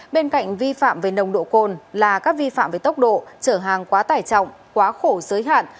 bên cạnh vi phạm về nồng độ cồn là các vi phạm về tốc độ trở hàng quá tải trọng quá khổ giới hạn